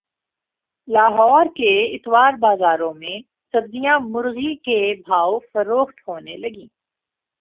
لاہور کے اتوار بازاروں میں سبزیاں مرغی کے بھاو فروخت ہونے لگیں